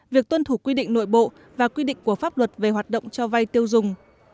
việc tuân thủ quy định nội bộ và quy định của pháp luật về hoạt động cho vay tiêu dùng